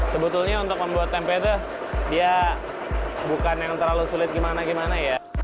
sebetulnya untuk membuat tempe itu dia bukan yang terlalu sulit gimana gimana ya